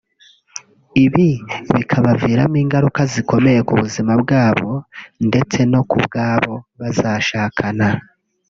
ibyo bikabaviramo ingaruka zikomeye ku buzima bwabo ndetse no ku bw’abo bazashakana